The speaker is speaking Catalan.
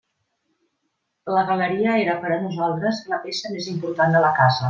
La galeria era per a nosaltres la peça més important de la casa.